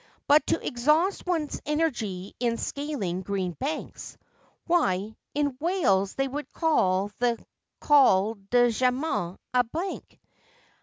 But to exhaust one's energy in scaling green banks ! Why, in Wales they would call the Col du Jaman a bank.